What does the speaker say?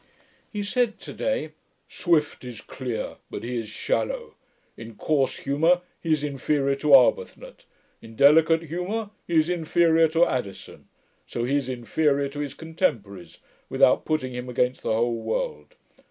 He said to day, 'Swift is clear, but he is shallow. In coarse humour, he is inferior to Arbuthnot; in delicate humour, he is inferior to Addison: so he is inferior to his contemporaries; without putting him against the whole world.